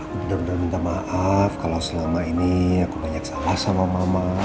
aku benar benar minta maaf kalau selama ini aku banyak salah sama mama